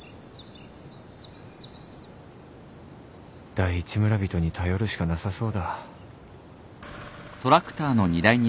第一村人に頼るしかなさそうだ